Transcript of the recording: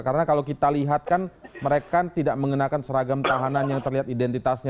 karena kalau kita lihat kan mereka tidak mengenakan seragam tahanan yang terlihat identitasnya